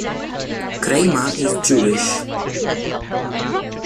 Kramer is Jewish.